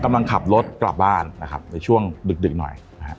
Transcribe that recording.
กำลังขับรถกลับบ้านในช่วงดึกหน่อย